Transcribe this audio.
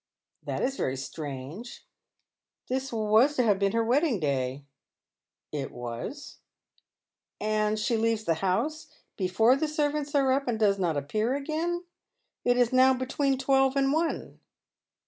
" That is very strange. This was to have been her wedding day." " It was." " And she leaves the house before the servants are up, and does not appear asjain ? It is now between twelve and one."